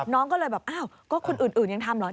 น้องก็เลยแบบอ้าวก็คนอื่นยังทำเหรอ